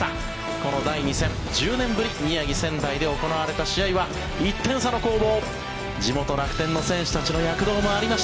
この第２戦、１０年ぶり宮城・仙台で行われた試合は１点差の攻防。